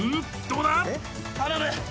どうだ？